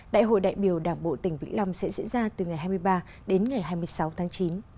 đại hội đại biểu đảng bộ tỉnh vĩnh long sẽ diễn ra từ ngày hai mươi ba đến ngày hai mươi sáu tháng chín